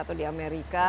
atau di amerika